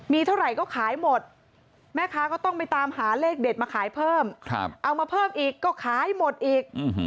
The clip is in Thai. มีเท่าไหร่ก็ขายหมดแม่ค้าก็ต้องไปตามหาเลขเด็ดมาขายเพิ่มเอามาเพิ่มอีกก็ขายหมดอีก